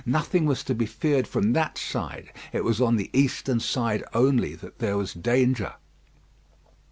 Nothing was to be feared from that side. It was on the eastern side only that there was danger.